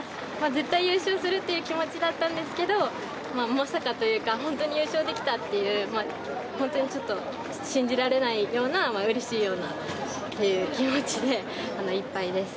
絶対優勝するって気持ちだったんですけど、本当に優勝できたという、本当に信じられないようなうれしいようなという気持ちでいっぱいです。